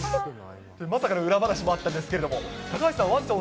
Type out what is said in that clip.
まさかの裏話もあったんですけど、高橋さん、ワンちゃん